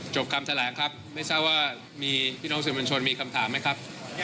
คำแถลงครับไม่ทราบว่ามีพี่น้องสื่อมวลชนมีคำถามไหมครับ